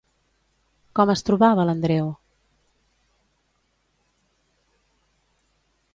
Com es trobava l'Andreu?